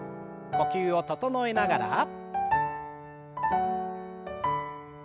呼吸を整えながら。